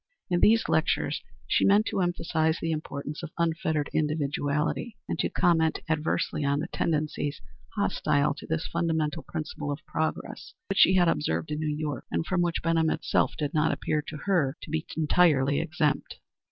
In these lectures she meant to emphasize the importance of unfettered individuality, and to comment adversely on the tendencies hostile to this fundamental principle of progress which she had observed in New York and from which Benham itself did not appear to her to be entirely exempt.